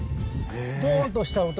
ドーンとした音